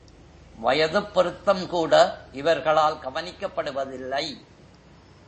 வயதுப் பொருத்தம் கூட இவர்களால் கவனிக்கப்படுவதில்லை.